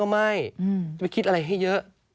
ไม่ไปคิดอะไรให้เยอะ